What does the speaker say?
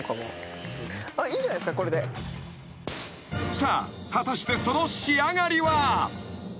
［さあ果たしてその仕上がりは］